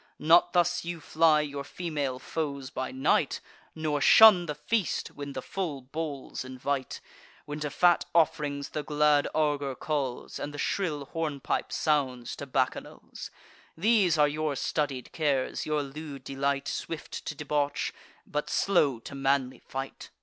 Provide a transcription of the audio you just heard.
Not thus you fly your female foes by night, Nor shun the feast, when the full bowls invite; When to fat off'rings the glad augur calls, And the shrill hornpipe sounds to bacchanals. These are your studied cares, your lewd delight: Swift to debauch, but slow to manly fight."